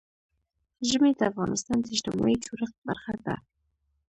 ژمی د افغانستان د اجتماعي جوړښت برخه ده.